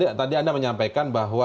ya tadi anda menyampaikan bahwa